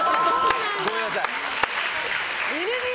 ごめんなさい。